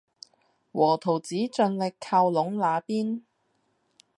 和桃子盡力靠攏那邊